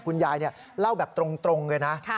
คุณยายเล่าแบบตรงเลยนะ